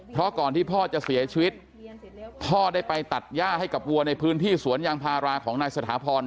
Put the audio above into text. เพราะก่อนที่พ่อจะเสียชีวิตพ่อได้ไปตัดย่าให้กับวัวในพื้นที่สวนยางพาราของนายสถาพร